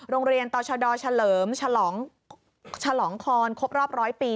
โรงเรียนต่อชะดอเฉลิมเฉลองคลครบรอบ๑๐๐ปี